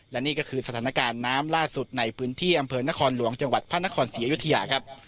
และนี่ก็คือสถานการณ์น้ำล่าสุดในพื้นที่อำเภอนครหลวงจังหวัดพระนครศรีอยุธยาครับ